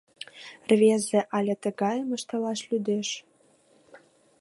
Рвезе але тыгайым ыштылаш лӱдеш.